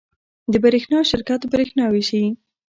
د برښنا شرکت بریښنا ویشي